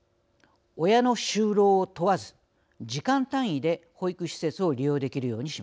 親の就労を問わず時間単位で保育施設を利用できるようにします。